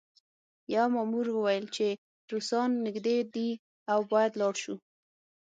یوه مامور وویل چې روسان نږدې دي او باید لاړ شو